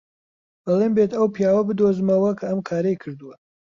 بەڵێن بێت ئەو پیاوە بدۆزمەوە کە ئەم کارەی کردووە.